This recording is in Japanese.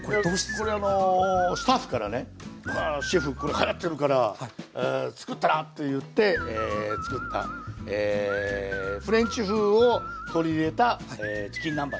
これあのスタッフからね「シェフこれはやってるからつくったら？」と言ってつくったフレンチ風を取り入れたチキン南蛮。